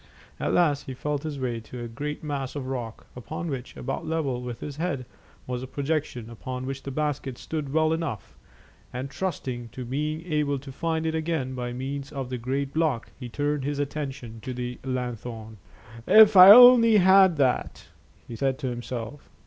At last he felt his way to a great mass of rock, upon which, about level with his head, was a projection upon which the basket stood well enough, and trusting to being able to find it again by means of the great block, he turned his attention to the lanthorn. "If I only had that," he said to himself.